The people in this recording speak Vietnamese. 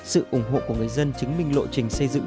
sự ủng hộ của người dân chứng minh lộ trình xây dựng